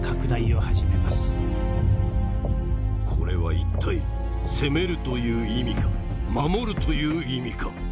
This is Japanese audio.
これは一体攻めるという意味か守るという意味か。